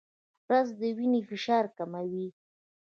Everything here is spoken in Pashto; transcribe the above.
رس د وینې فشار کموي